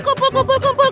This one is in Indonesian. kumpul kumpul kumpul